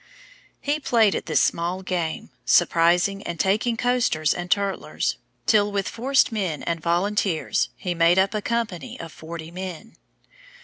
He played at this small game, surprising and taking coasters and turtlers, till with forced men and volunteers he made up a company of 40 men.